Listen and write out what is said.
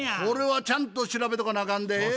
これはちゃんと調べとかなあかんで。